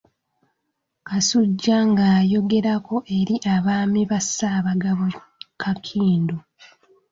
Kasujju ng’ayogerako eri abaami ba Ssaabagabo Kakindu.